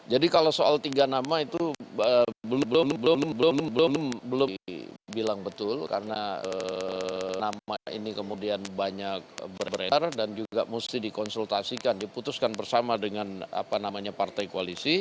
jadi kalau soal tiga nama itu belum di bilang betul karena nama ini kemudian banyak berbicara dan juga mesti dikonsultasikan diputuskan bersama dengan apa namanya partai koalisi